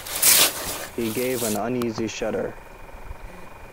He gave an uneasy shudder.